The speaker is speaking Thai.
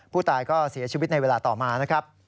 ผู้ตายก็เสียชีวิตในเวลาต่อมานะครับ